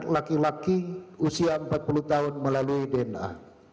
laki laki usia empat puluh tahun melalui dna